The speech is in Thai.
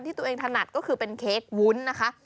ที่ตัวเองถนัดก็คือเป็นเค้กวุ้นนะคะ